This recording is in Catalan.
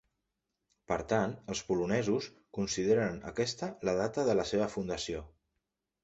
Per tant, els polonesos consideren aquesta la data de la seva fundació.